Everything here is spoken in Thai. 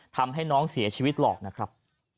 ทำให้น้องเสียชีวิตหลอกนะครับ